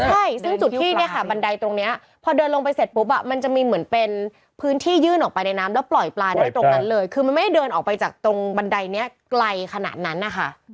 ใช่ซึ่งจุดที่เนี่ยค่ะบันไดตรงนี้พอเดินลงไปเสร็จปุ๊บอ่ะมันจะมีเหมือนเป็นพื้นที่ยื่นออกไปในน้ำแล้วปล่อยปลาได้ตรงนั้นเลยคือมันไม่ได้เดินออกไปจากตรงบันไดนี้ไกลขนาดนั้นนะคะ